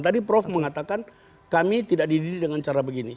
tadi prof mengatakan kami tidak didiri dengan cara begini